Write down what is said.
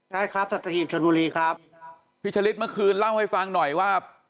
ได้ครับสัตหีบชนบุรีครับพี่ชะลิดเมื่อคืนเล่าให้ฟังหน่อยว่า